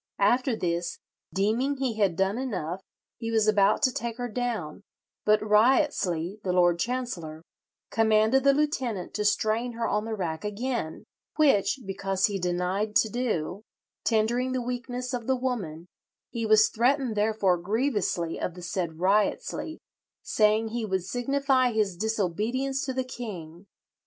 After this, deeming he had done enough, he was about to take her down, but Wriottesley, the Lord Chancellor, "commanded the lieutenant to strain her on the rack again; which, because he denied to do, tendering the weakness of the woman, he was threatened therefore grievously of the said Wriottesley, saying he would signify his disobedience to the king.